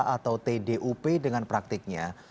atau tdup dengan praktiknya